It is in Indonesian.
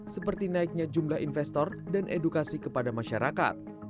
seperti naiknya jumlah investor dan edukasi kepada masyarakat